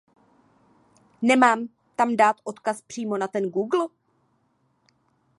Nemám tam dát odkaz přímo na ten google?